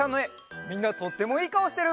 みんなとってもいいかおしてる！